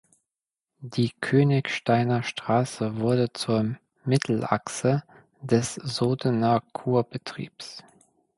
Die Königsteiner Straße wurde zur Mittelachse des Sodener Kurbetriebs.